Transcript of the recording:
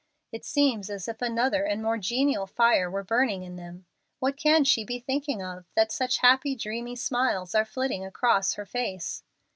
"It seems as if another and more genial fire were burning in them. What can she be thinking of, that such happy, dreamy smiles are flitting across her face?